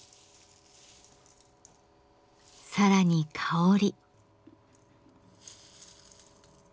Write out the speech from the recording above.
更に香り。